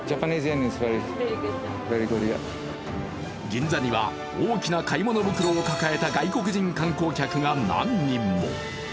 銀座には大きな買い物袋を抱えた外国人観光客が何人も。